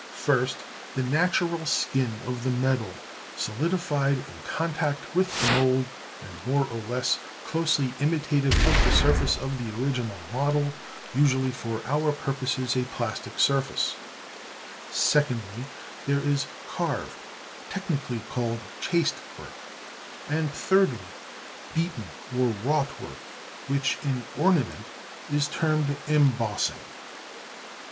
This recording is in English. First, the natural skin of the metal solidified in contact with the mould, and more or less closely imitative of the surface of the original model, usually for our purposes a plastic surface; secondly, there is carved, technically called chased, work; and thirdly, beaten or wrought work, which in ornament is termed embossing.